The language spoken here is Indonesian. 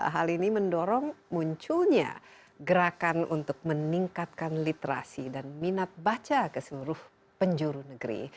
hal ini mendorong munculnya gerakan untuk meningkatkan literasi dan minat baca ke seluruh penjuru negeri